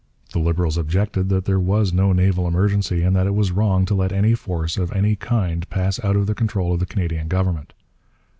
The Liberals objected that there was no naval emergency, and that it was wrong to let any force of any kind pass out of the control of the Canadian government.